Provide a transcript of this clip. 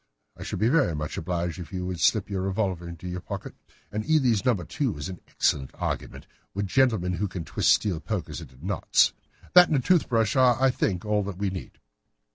I should be very much obliged if you would slip your revolver into your pocket. An Eley's No. 2 is an excellent argument with gentlemen who can twist steel pokers into knots. That and a tooth brush are, I think, all that we need."